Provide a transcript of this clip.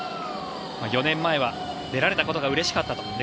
４年前は出られたことがうれしかったと。